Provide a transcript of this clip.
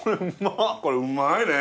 これうまいね！